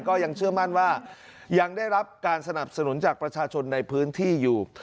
ก็ยังเชื่อมั่นว่ายังได้รับการสนับสนุนจากประชาชนในพื้นที่อยู่